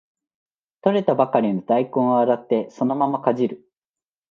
採れたばかりの大根を洗ってそのままかじる